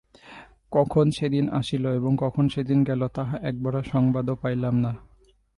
কখন সেদিন আসিল এবং কখন সেদিন গেল তাহা একবার সংবাদও পাইলাম না।